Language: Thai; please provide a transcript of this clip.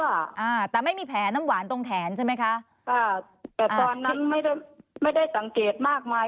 อ่าแต่ไม่มีแผลน้ำหวานตรงแขนใช่ไหมคะอ่าแต่ตอนนั้นไม่ได้ไม่ได้สังเกตมากมาย